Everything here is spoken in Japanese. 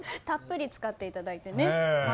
たっぷり使っていただいてね。